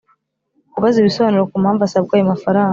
Kubaza ibisobanuro ku mpamvu asabwa ayo mafaranga